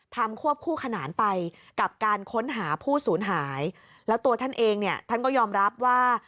ควบคู่ขนานไปกับการค้นหาผู้สูญหายแล้วตัวท่านเองเนี่ยท่านก็ยอมรับว่า